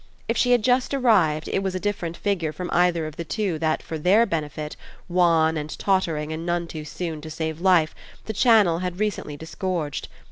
If she had just arrived it was a different figure from either of the two that for THEIR benefit, wan and tottering and none too soon to save life, the Channel had recently disgorged.